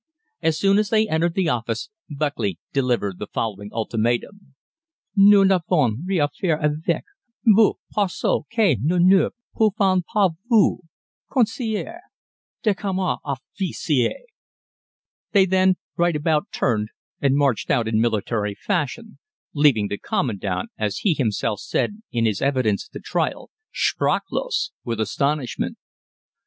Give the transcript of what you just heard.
As soon as they entered the office, Buckley delivered the following ultimatum. "Nous n'avons rien à faire avec vous parce que nous ne pouvons pas vous considérer comme un officier." They then right about turned and marched out in military fashion, leaving the Commandant, as he himself said in his evidence at the trial, "sprachlos" with astonishment.